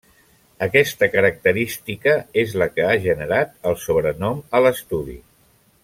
Aquesta característica és la que ha generat el sobrenom a l'estudi.